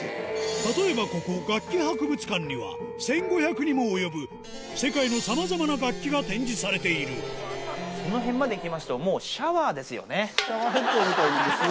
例えばここ、楽器博物館には、１５００にも及ぶ世界のさまざまな楽器が展示さこのへんまでいきますと、もうシャワーですよね。